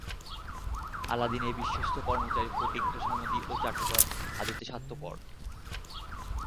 আলাদিনের বিশ্বস্ত কর্মচারী ফটিক তোষামোদী ও চাটুকার, আদতে স্বার্থপর।